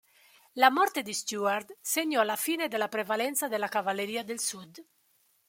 La morte di Stuart segnò la fine della prevalenza della Cavalleria del Sud.